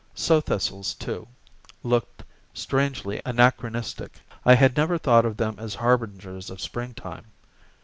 Sow thistles, too, looked strangely anachronistic. I had never thought of them as harbingers of springtime.